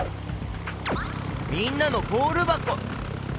みんなのボールばこ。